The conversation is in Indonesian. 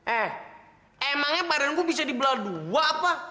eh emangnya badan gue bisa dibela dua apa